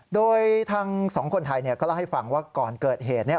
โดยทั้งสองคนไทยก็เล่าให้ฟังว่าก่อนเกิดเหตุเนี่ย